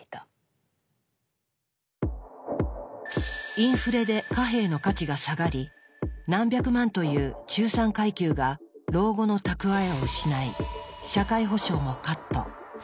インフレで貨幣の価値が下がり何百万という中産階級が老後の蓄えを失い社会保障もカット。